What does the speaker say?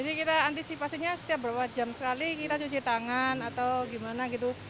jadi sih pastinya setiap berapa jam sekali kita cuci tangan atau gimana gitu